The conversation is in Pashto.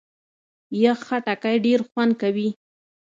یخ خټکی ډېر خوند کوي.